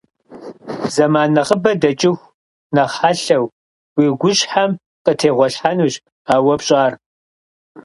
Зэман нэхъыбэ дэкӀыху нэхъ хьэлъэу уи гущхьэм къытегъуэлъхьэнущ а уэ пщӀар.